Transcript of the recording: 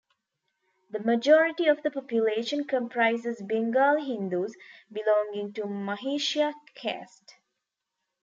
The majority of the population comprises Bengali Hindus belonging to Mahishya caste.